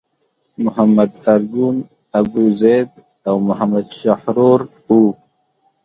محمد ارګون، ابوزید او محمد شحرور وو.